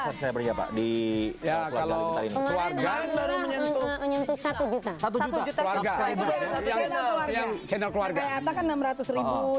saya berjabat di keluarga ini keluarga menyentuh satu satu keluarga yang channel keluarga